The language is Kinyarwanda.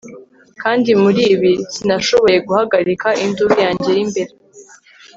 Kandi muribi sinashoboye guhagarika induru yanjye yimbere